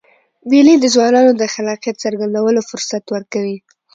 مېلې د ځوانانو د خلاقیت څرګندولو فرصت ورکوي.